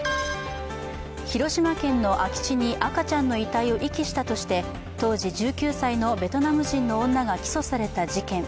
広島県の空き地に赤ちゃんの遺体を遺棄したとして当時１９歳のベトナム人の女が起訴された事件。